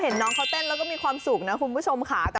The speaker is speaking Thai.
น้องเขาเต้นแล้วก็มีความสุขนะคุณผู้ชมค่ะ